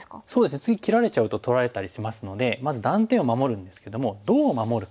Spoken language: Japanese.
次切られちゃうと取られたりしますのでまず断点を守るんですけどもどう守るか。